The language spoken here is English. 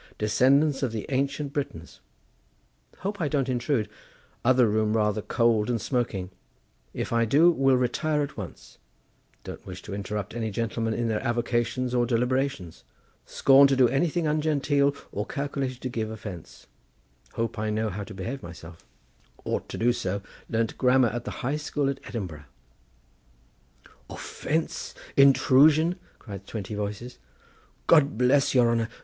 descendants of the Ancient Britons—Hope I don't intrude—other room rather cold and smoking—If I do will retire at once—don't wish to interrupt any gentlemen in their avocations or deliberations—scorn to do anything ungenteel or calculated to give offence—hope I know how to behave myself—ought to do so—learnt grammar at the High School at Edinburgh." "Offence, intrusion!" cried twenty voices. "God bless your honour!